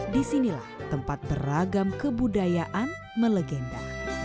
disinilah tempat beragam kebudayaan melegenda